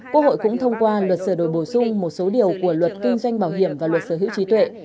quốc hội cũng thông qua luật sửa đổi bổ sung một số điều của luật kinh doanh bảo hiểm và luật sở hữu trí tuệ